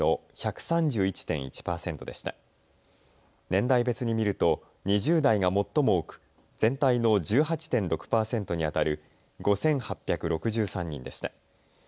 年代別に見ると２０代が最も多く全体の１８．６％にあたる５８６３人でした。